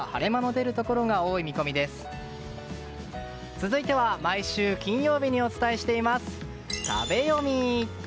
続いては毎週金曜日にお伝えしています食べヨミ！